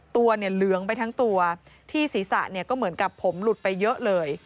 ตัวเนี่ยเหลืองไปทั้งตัวที่ศีรษะเนี่ยก็เหมือนกับผมหลุดไปเยอะเลย